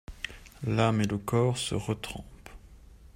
L'âme et le corps se retrempent.